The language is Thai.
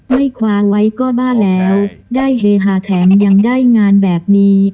ไม่คว้าไว้ก็บ้าแล้วได้เฮฮาแถมยังได้งานแบบนี้